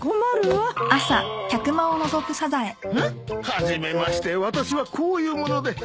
初めまして私はこういう者で。